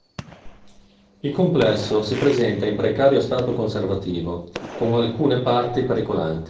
Il complesso si presenta in precario stato conservativo, con alcune parti pericolanti.